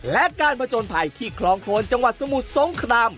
และการผจญภัยที่คลองโคนจังหวัดสมุทรสงคราม